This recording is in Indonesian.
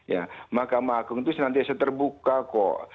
ya mahkamah agung itu nanti seterbuka kok